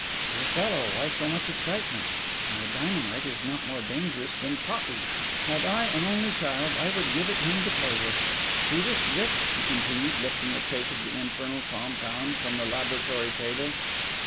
'Dear fellow, why so much excitement?' inquired Zero. 'My dynamite is not more dangerous than toffy; had I an only child, I would give it him to play with. You see this brick?' he continued, lifting a cake of the infernal compound from the laboratory table.